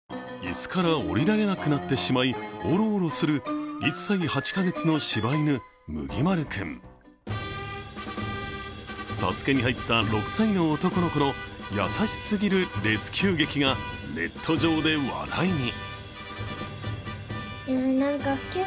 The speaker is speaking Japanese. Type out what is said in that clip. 椅子から下りられなくなってしまい、おろおろする助けに入った６歳の男の子の優しすぎるレスキュー劇がネット上で話題に。